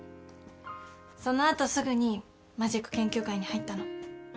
その後すぐにマジック研究会に入ったの。